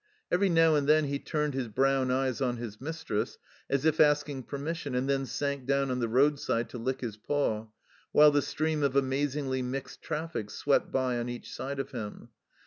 Every now and then he turned his brown eyes on his mistress, as if asking permission, and then sank down on the roadside to lick his paw, while the stream of amazingly mixed traffic swept by on each side of him.